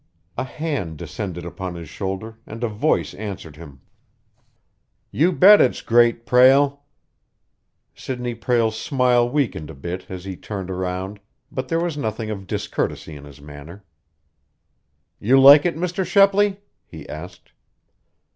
A hand descended upon his shoulder, and a voice answered him. "You bet it's great, Prale!" Sidney Prale's smile weakened a bit as he turned around, but there was nothing of discourtesy in his manner. "You like it, Mr. Shepley?" he asked.